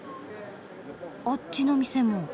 あっちの店も。